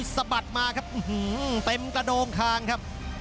สะบัดมาครับเต็มกระโดงคางครับ